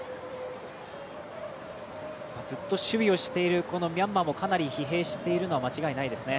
ずっと守備をしているミャンマーかなり疲弊しているのは間違いないですね。